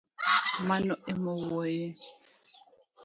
Mano emawuoye